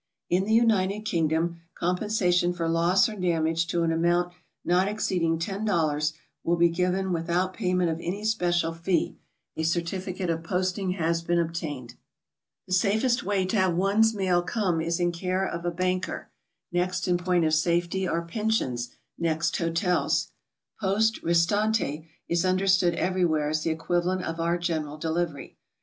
In the United Kingdom compensation for loss or damage to an amount not exceeding $10 will be given without payment of any speciail fee, if a certificate of poiating has been obtained. 2 lO GOING ABROAD? The safest way to have one's mail come is in care of a banker; next in point of safety are pensions; next, hotels. 'Tos'te restante" is understood everyw'here as t'he equivalent of our "General Delivery."